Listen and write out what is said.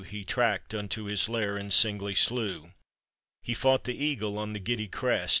He tracked unto his lair and singly slew. He fought the eagle on the giddy crest.